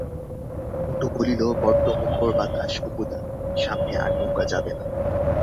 পটু বলিল, বড্ড মুখোড় বাতাস অপু-দা, সামনে আর নৌকা যাবে না।